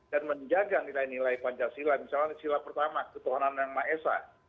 dan menjaga nilai nilai pancasila misalnya sila pertama ketohananan maesat